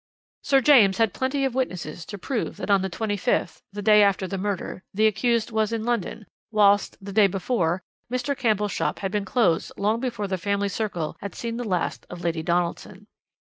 Sir James had plenty of witnesses to prove that on the 25th, the day after the murder, the accused was in London, whilst, the day before, Mr. Campbell's shop had been closed long before the family circle had seen the last of Lady Donaldson.